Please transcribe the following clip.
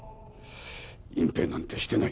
隠蔽なんてしてない。